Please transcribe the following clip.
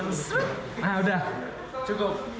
nah sudah cukup